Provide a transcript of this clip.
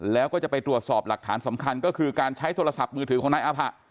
แล้วก็จะไปตรวจสอบหลักฐานสำคัญก็คือการใช้โทรศัพท์มือถือของนายอาผะ